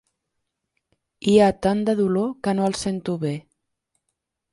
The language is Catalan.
Hi ha tant de dolor que no el sento bé.